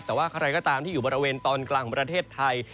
แต่ว่าใครก็ตามที่อยู่บริเวณตอนกลางของประเทศไทย